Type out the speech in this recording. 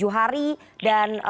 tujuh hari dan